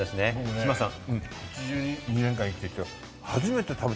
志麻さん。